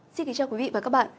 xin kính chào quý vị và các bạn